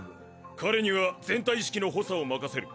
彼には全体指揮の補佐を任せる。